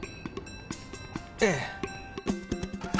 ええ。